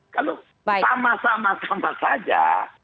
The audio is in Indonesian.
kalau sama sama tempat saja